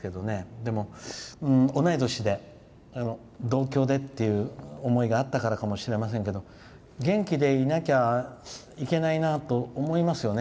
でも、同い年で同郷でという思いがあったからかもしれませんが元気でいなきゃいけないなと思いますよね。